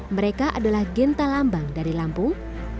mereka adalah genta lambang dari lampung